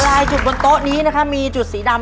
หลายจุดบนโต๊ะนี้มีจุดสีดำ